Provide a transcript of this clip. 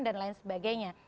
dan lain sebagainya